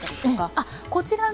あっこちらが？